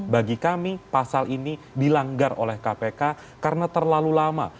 bagi kami pasal ini dilanggar oleh kpk karena terlalu lama